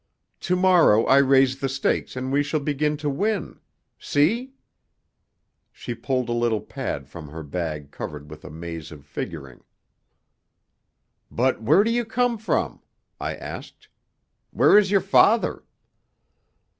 To morrow I raise the stakes and we shall begin to win. See?" She pulled a little pad from her bag covered with a maze of figuring. "But where do you come from?" I asked. "Where is your father?"